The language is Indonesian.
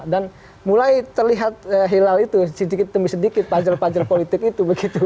dan mulai terlihat hilal itu sedikit demi sedikit pajar pajar politik itu begitu